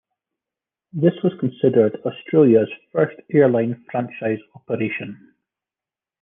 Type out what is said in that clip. This was considered Australia's first airline franchise operation.